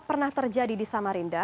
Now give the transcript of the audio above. pernah terjadi di samarinda